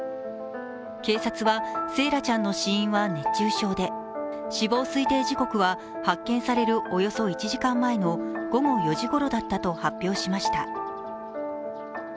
警察は惺愛ちゃんの死因は熱中症で死亡推定時刻は発見されるおよそ１時間前の午後４時ごろだったと発表しました。